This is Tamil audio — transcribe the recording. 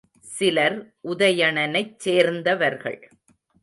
சிலர் உதயணனைச் சேர்ந்தவர்கள்.